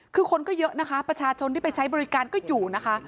คือคนก็เยอะนะคะประชาชนที่ไปใช้บริการก็อยู่นะคะ